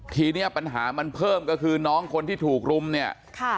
ทีนี้ปัญหามันเพิ่มก็คือน้องคนที่ถูกรุมเนี่ยค่ะ